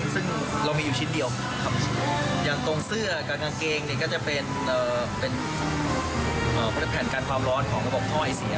ซึ่งเรามีอยู่ชิ้นเดียวครับอย่างตรงเสื้อกับกางเกงเนี่ยก็จะเป็นแผนการความร้อนของระบบท่อไอเสีย